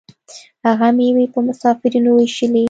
هغه میوې په مسافرینو ویشلې.